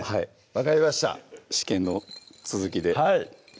分かりました試験の続きではい！